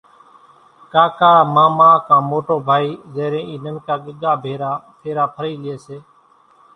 ڪاڪا، ماما ڪان موٽو ڀائي زيرين اِي ننڪا ڳڳا ڀيرا ڦيرا ڦري لئي سي۔